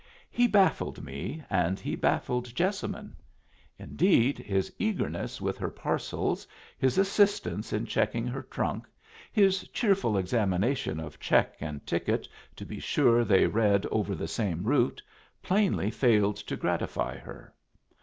He baffled me, and he baffled Jessamine. Indeed, his eagerness with her parcels, his assistance in checking her trunk, his cheerful examination of check and ticket to be sure they read over the same route, plainly failed to gratify her.